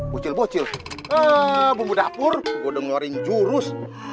bucil bucil bumbu dapur udah ngaring jurus